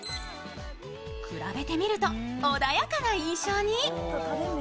比べてみると穏やかな印象に。